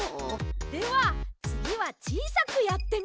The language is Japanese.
ではつぎはちいさくやってみましょう。